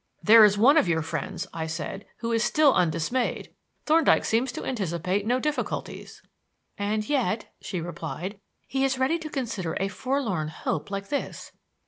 "There is one of your friends," I said, "who is still undismayed. Thorndyke seems to anticipate no difficulties." "And yet," she replied, "he is ready to consider a forlorn hope like this.